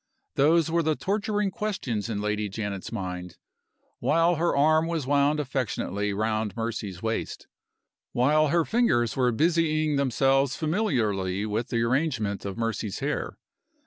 Those were the torturing questions in Lady Janet's mind, while her arm was wound affectionately round Mercy's waist, while her fingers were busying themselves familiarly with the arrangement of Mercy's hair.